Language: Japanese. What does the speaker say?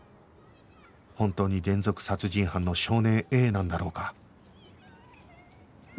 本当に連続殺人犯の少年 Ａ なんだろうか？